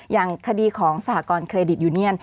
อย่างคดีของสหกรณเครดิตยูเนียน